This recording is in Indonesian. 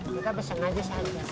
kita bersengaja saja